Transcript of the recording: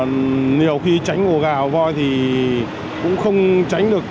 nhiều khi tránh ổ ga ổ voi thì cũng không tránh được